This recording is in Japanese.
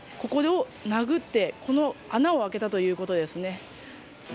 殴って、穴を開けたということですね。